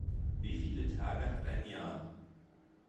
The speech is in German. Wie viele Tage hat ein Jahr?